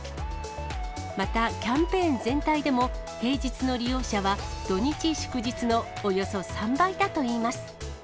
また、キャンペーン全体でも、平日の利用者は土日祝日のおよそ３倍だといいます。